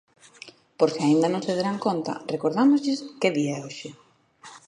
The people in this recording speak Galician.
Por se aínda non se deran conta, recordámoslles que día é hoxe.